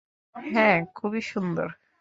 হ্যাঁ, খুবই সুন্দর।